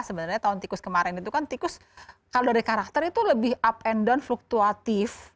sebenarnya tahun tikus kemarin itu kan tikus kalau dari karakter itu lebih up and down fluktuatif